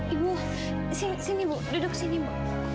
ibu sini bu duduk sini bu